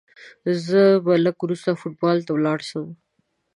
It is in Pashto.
زه به لږ وروسته فوټبال ته ولاړ سم.